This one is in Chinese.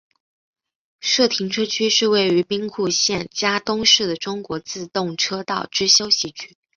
社停车区是位于兵库县加东市的中国自动车道之休息区。